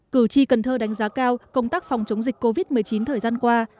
cử tri cần thơ đánh giá cao công tác phòng chống dịch covid một mươi chín thời gian qua